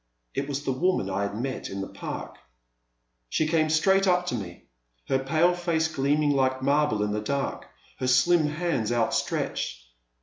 It was the woman I had met in the Park. She came straight up to me, her pale face gleaming like marble in the dark, her slim hands outstretched.